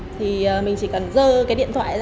thì mình chỉ cần dơ cái điện thoại